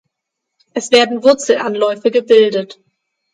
Es werden Wurzelanläufe gebildet.